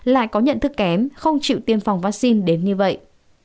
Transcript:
lại có nhận thức kém không chịu tiêm phòng vaccine đến như vậy